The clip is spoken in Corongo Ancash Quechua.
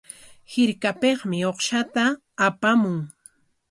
Hirkapikmi uqshta apamun.